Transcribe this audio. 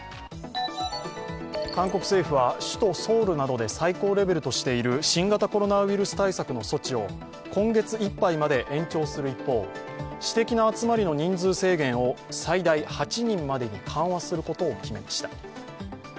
韓国政府は首都ソウルなどで最高レベルとしている新型コロナウイルス対策の措置を今月いっぱいまで延長する一方、私的な集まりの人数制限を最大８人までに緩和することを決めました。